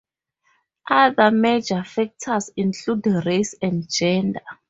Other major factors include race and gender.